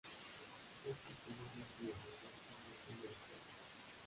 Esto es comúnmente llamado "inversión de la celda".